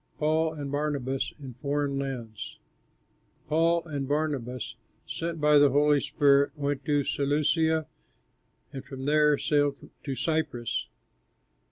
PAUL AND BARNABAS IN FOREIGN LANDS Paul and Barnabas, sent by the Holy Spirit, went to Seleucia and from there sailed to Cyprus.